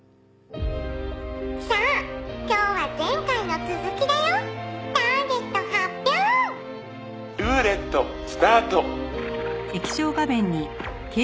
「さあ今日は前回の続きだよ。ターゲット発表！」「ルーレットスタート！」